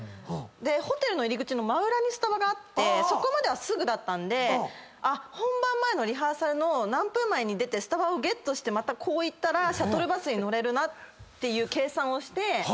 そこまではすぐだったんで本番前のリハーサルの何分前に出てスタバをゲットしてまたこう行ったらシャトルバスに乗れるなっていう計算をして。